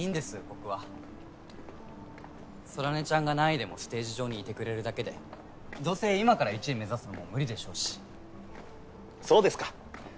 僕は空音ちゃんが何位でもステージ上にいてくれるだけでどうせ今から１位目指すのも無理でしょうしそうですか